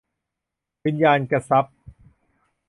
วิญญาณกทรัพย์